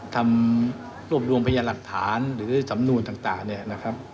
ทำรวบรวมพยานหลักฐานหรือสำนวนต่างเนี่ยนะครับ